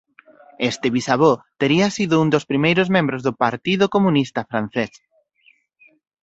Este bisavó tería sido un dos primeiros membros do Partido Comunista Francés.